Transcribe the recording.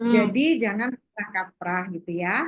jadi jangan salah kaprah gitu ya